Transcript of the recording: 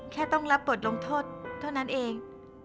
แค่ต้องรับบทลงโทษเท่านั้นเอง